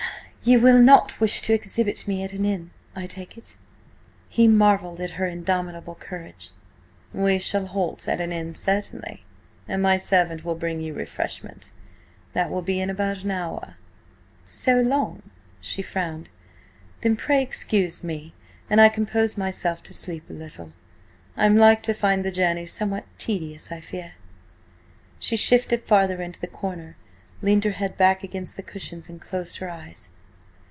"You will not wish to exhibit me at an inn, I take it?" He marvelled at her indomitable courage "We shall halt at an inn certainly, and my servant will bring you refreshment. That will be in about an hour." "So long?" she frowned. "Then, pray excuse me an I compose myself to sleep a little. I am like to find the journey somewhat tedious, I fear." She shifted farther into the corner, leaned her head back against the cushions and closed her eyes.